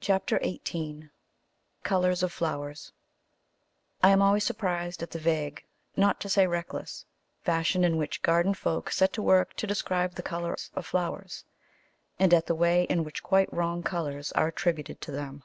CHAPTER XVIII COLOURS OF FLOWERS I am always surprised at the vague, not to say reckless, fashion in which garden folk set to work to describe the colours of flowers, and at the way in which quite wrong colours are attributed to them.